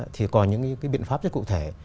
thì có những cái biện pháp rất cụ thể